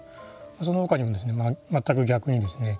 その他にもですねまったく逆にですね